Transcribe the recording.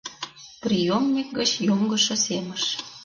Приёмник гыч йоҥгышо семыш